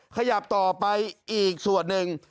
ขยับต่อไปอีกส่วนหนึ่ง